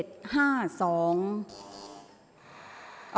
ออกรางวัลที่๖